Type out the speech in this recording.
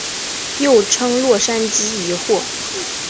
又称洛杉矶疑惑。